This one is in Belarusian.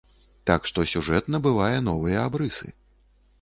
Так што сюжэт набывае новыя абрысы.